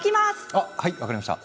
あっはい分かりました。